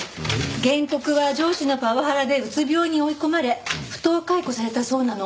原告は上司のパワハラでうつ病に追い込まれ不当解雇されたそうなの。